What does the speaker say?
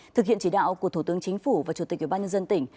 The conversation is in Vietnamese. thực hiện chỉ đạo của thủ tướng chính phủ và chủ tịch ủy ban nhân dân tỉnh